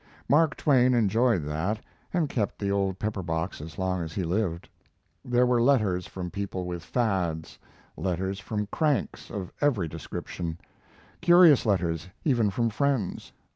Mark Twain enjoyed that, and kept the old pepper box as long as he lived. There were letters from people with fads; letters from cranks of every description; curious letters even from friends.